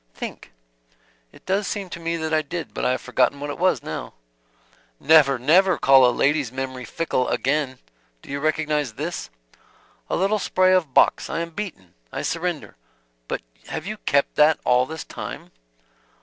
"Think." "It does seem to me that I did; but I have forgotten what it was now." "Never, never call a lady's memory fickle again! Do you recognize this?" "A little spray of box! I am beaten I surrender. But have you kept that all this time?"